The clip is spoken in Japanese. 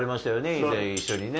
以前一緒にね。